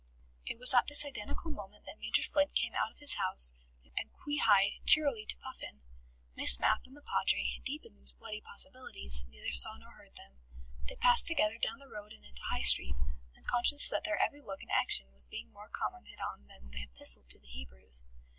It was at this identical moment that Major Flint came out of his house and qui hied cheerily to Puffin. Miss Mapp and the Padre, deep in these bloody possibilities, neither saw nor heard them. They passed together down the road and into the High Street, unconscious that their every look and action was being more commented on than the Epistle to the Hebrews.